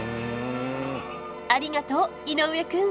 ありがとう井之上くん！